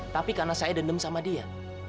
tapi karena saya dendam sama dia